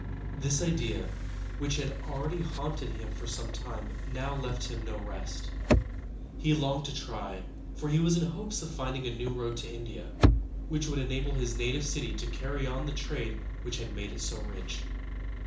This idea, which had already haunted him for some time, now left him no rest He longed to try, for he was in hopes of finding a new road to India, which would enable his native city to carry on the trade which had made it so rich.